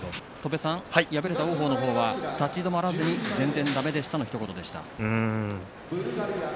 敗れた王鵬は立ち止まらずに全然だめでしたのひと言でした。